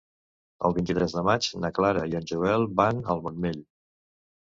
El vint-i-tres de maig na Clara i en Joel van al Montmell.